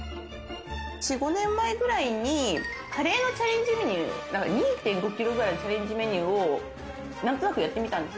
４５年前くらいにカレーのチャレンジメニュー、２．５キロくらいのチャレンジメニューを何となくやってみたんです。